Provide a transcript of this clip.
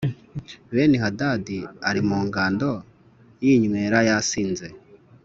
BeniHadadi ari mu ngando yinywera yasinze